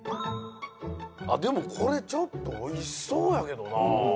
あっでもこれちょっとおいしそうやけどな。